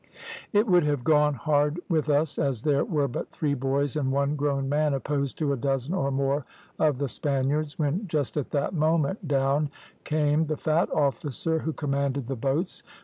It would have gone hard with us, as there were but three boys and one grown man opposed to a dozen or more of the Spaniards, when just at that moment down came the fat officer who commanded the boats.